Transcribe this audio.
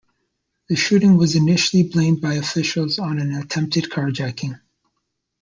The shooting was initially blamed by officials on an attempted carjacking.